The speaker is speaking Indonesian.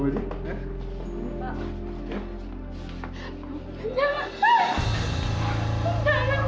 adek mana bina tidak mbok